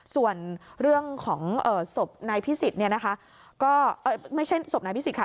ส่วนเรื่องของศพนายพิสิทธิ์ไม่ใช่ศพนายพิสิทธิ์ค่ะ